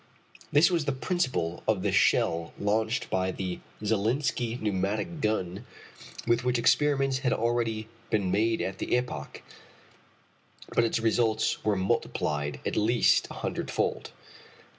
This was the principle of the shell launched by the Zalinski pneumatic gun with which experiments had already been made at that epoch, but its results were multiplied at least a hundred fold.